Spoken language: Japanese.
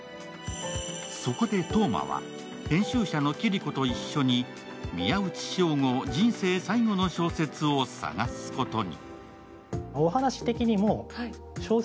そこで燈真は編集者の霧子と一緒に宮内彰吾、人生最後の小説を探すことに。